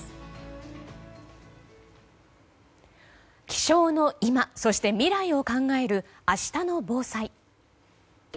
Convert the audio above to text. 気象の今そして未来を考えるあしたの防災。